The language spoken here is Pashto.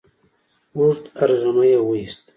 اوږد ارږمی يې وايست،